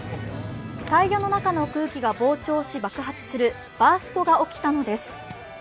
タイヤの中の空気が膨張し、爆発するバーストが起きたのです。